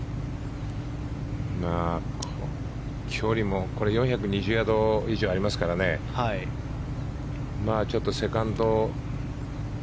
距離も、これ４２０ヤード以上ありますからねちょっとセカンド。